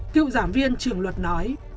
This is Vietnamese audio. cựu giảng viên trường luật nói